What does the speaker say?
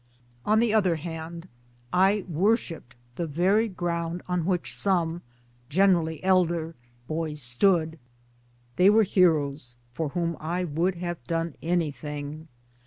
On the other hand I worshipped the very ground on which! some, generally elder, boys stood ; they were heroes for whom I would have done anything.